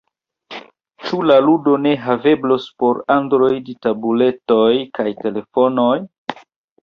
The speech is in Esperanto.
Ĉu la ludo ne haveblos por Android-tabuletoj kaj telefonoj?